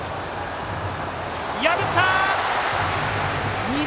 破った！